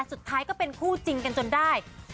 สุดท้ายก็เป็นคู่จริงกันจนได้